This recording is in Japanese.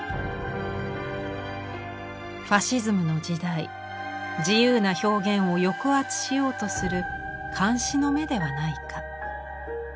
ファシズムの時代自由な表現を抑圧しようとする監視の眼ではないか。